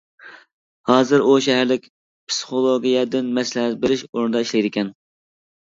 ھازىر ئۇ شەھەرلىك پىسخولوگىيەدىن مەسلىھەت بېرىش ئورنىدا ئىشلەيدىكەن.